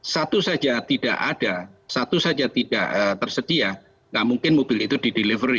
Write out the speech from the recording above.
satu saja tidak ada satu saja tidak tersedia nggak mungkin mobil itu didelivery